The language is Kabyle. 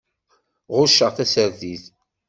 Ɣucceɣ tasertit.